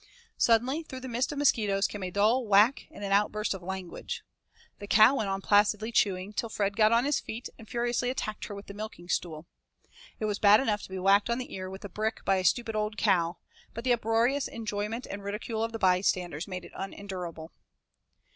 Suddenly through the mist of mosquitoes came a dull whack and an outburst of 'language.' The cow went on placidly chewing till Fred got on his feet and furiously attacked her with the milking stool. It was bad enough to be whacked on the ear with a brick by a stupid old cow, but the uproarious enjoyment and ridicule of the bystanders made it unendurable.